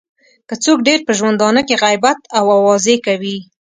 که څوک ډېر په ژوندانه کې غیبت او اوازې کوي.